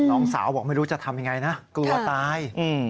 น้องสาวบอกไม่รู้จะทำยังไงนะกลัวตาย